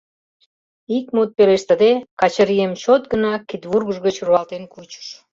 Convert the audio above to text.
Ик мут пелештыде, Качырийым чот гына кидвургыж гыч руалтен кучыш.